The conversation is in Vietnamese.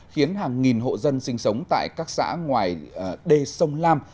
khiến hàng nghìn hộ dân sinh sống tại các xã ngoài đê sông lam